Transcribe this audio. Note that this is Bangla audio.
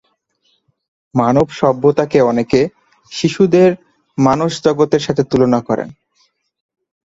মানব সভ্যতাকে অনেকে শিশুদের মানসজগতের সাথে তুলনা করেন।